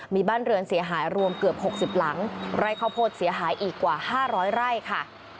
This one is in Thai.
มีบ้านเรือนเสียหายรวมเกือบ๖๐หลังไร่ข้าวโพดเสียหายอีกกว่า๕๐๐ไร่ค่ะ